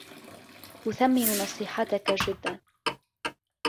أثمّن نصيحتَكَ جداً.